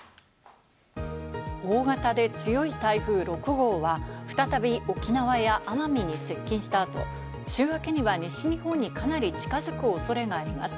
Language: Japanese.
大型で強い台風６号は、再び沖縄や奄美に接近した後、週明けには西日本にかなり近づく恐れがあります。